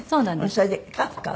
それで「カフカ」は？